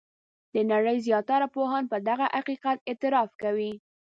د نړۍ زیاتره پوهان په دغه حقیقت اعتراف کوي.